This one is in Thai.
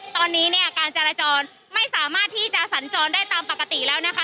ตอนนี้เนี่ยการจราจรไม่สามารถที่จะสัญจรได้ตามปกติแล้วนะคะ